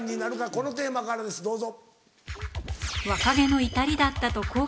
このテーマからですどうぞ。